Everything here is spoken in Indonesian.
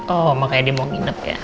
oh makanya dia mau nginep ya